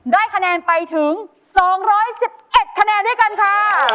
ได้คะแนนไปถึง๒๑๑คะแนนด้วยกันค่ะ